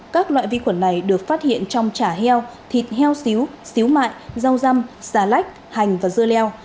các loại vi khuẩn này được phát hiện trong chả heo thịt heo xíu xíu mại rau răm xà lách hành và dưa leo